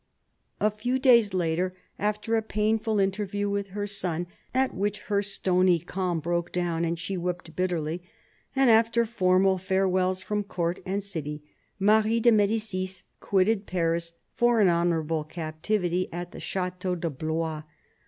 A few days later, after a painful interview with her son — at which her stony calm broke down and she wept bitterly — and after formal farewells from court and city, Marie de M^dicis quitted Paris for an honourable captivity at the Chateau de Blois.